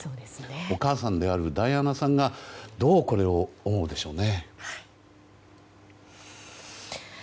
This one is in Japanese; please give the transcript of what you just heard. お母さんのダイアナさんはどうこれを思うんでしょうね。